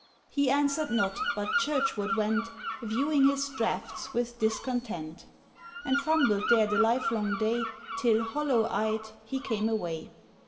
He answered not, but churchward went, Viewing his draughts with discontent; And fumbled there the livelong day Till, hollow eyed, he came away.